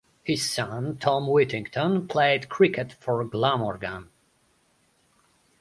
His son Tom Whittington played cricket for Glamorgan.